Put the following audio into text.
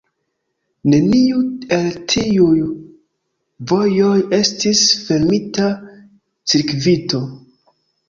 Neniu el tiuj vojoj estis fermita cirkvito.